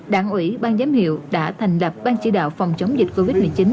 đảng ủy ban giám hiệu đã thành lập ban chỉ đạo phòng chống dịch covid một mươi chín